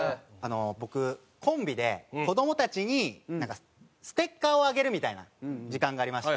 僕コンビで子どもたちになんかステッカーをあげるみたいな時間がありまして。